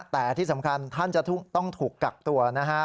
แต่ที่สำคัญท่านจะต้องถูกกักตัวนะฮะ